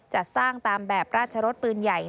จัดสร้างตามแบบราชรสปืนใหญ่